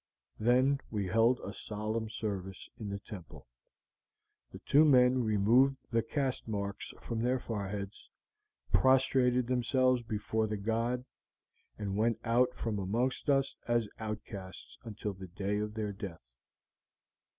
Then we held a solemn service in the temple. The two men removed the caste marks from their foreheads, prostrated themselves before the god, and went out from amongst us as outcasts until the day of their death.